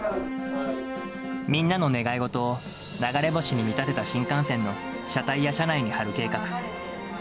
８歳の女の子なんですけど、みんなの願い事を、流れ星に見立てた新幹線の車体や車内に貼る計画。